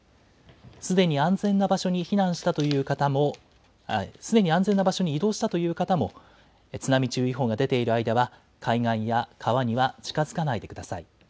すでに安全な場所に避難したという方も、すでに安全な移動したという移動したという方も、津波注意報が出ている間は、海岸や川には近づかないでください。